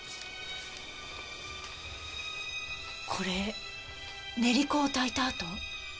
これ練香をたいたあと？